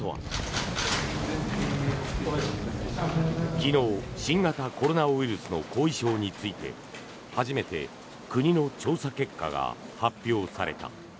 昨日、新型コロナウイルスの後遺症について初めて国の調査結果が発表された。